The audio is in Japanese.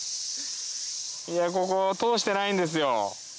いやここ通してないんですよ。